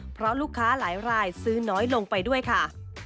เพราะลูกค้าหลายรายซื้อน้อยลงไปด้วยค่ะ